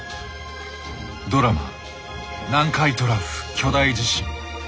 ドラマ「南海トラフ巨大地震」。